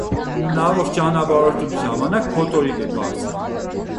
Նավով ճարապարհորդելու ժամանակ փոթորիկ է բարձրանում։